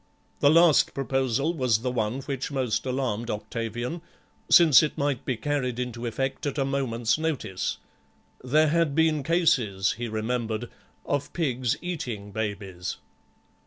The last proposal was the one which most alarmed Octavian, since it might be carried into effect at a moment's notice; there had been cases, he remembered, of pigs eating babies.